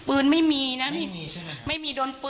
อืม